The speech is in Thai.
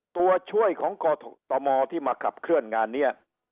ตัวช่วยของกตมที่มาขับเคลื่อนงานนี้